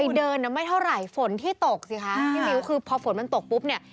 เดินไม่เท่าไหร่ฝนที่ตกสิคะพี่มิ้วคือพอฝนมันตกปุ๊บเนี่ย